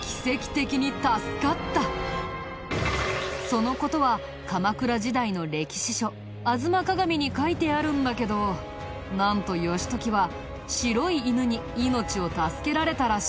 その事は鎌倉時代の歴史書『吾妻鏡』に書いてあるんだけどなんと義時は白い犬に命を助けられたらしいんだ。